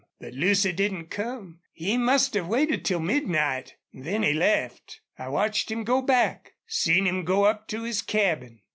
But Lucy didn't come. He must have waited till midnight. Then he left. I watched him go back seen him go up to his cabin."